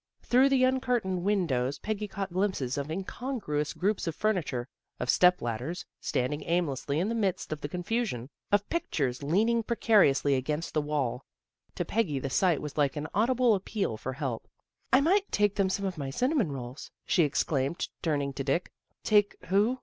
Through the uncurtained win dows Peggy caught glimpses of incongruous groups of furniture, of step ladders standing aimlessly in the midst of the confusion, of pic tures leaning precariously against the wall. To Peggy the sight was like an audible appeal for help. " I might take them some of my cinnamon rolls," she exclaimed, turning to Dick. " Take who?